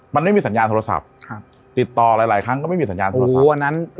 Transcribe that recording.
มันไม่มีสัญญาณโทรศัพท์ติดต่อหลายครั้งก็ไม่มีสัญญาณโทรศัพท์